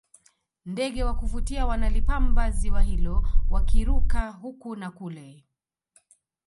ndege wa kuvutia wanalipamba ziwa hilo wakiruka huku na kule